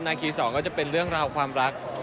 คีสองก็จะเป็นเรื่องราวความรัก